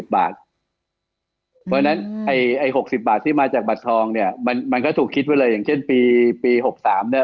๑๐๐บาทที่มาจากบัตรทองเนี่ยมันก็ถูกคิดไว้เลยอย่างเช่นปี๖๓เนี่ย